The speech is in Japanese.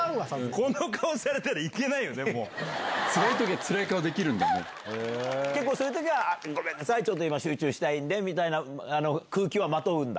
こんな顔されたらいけないよつらい時はつらい顔できるん結構そういうときは、あっ、ごめんなさい、ちょっと今集中したいんでみたいな空気をまとうんだ。